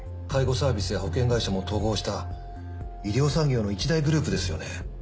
介護サービスや保険会社も統合した医療産業の一大グループですよね。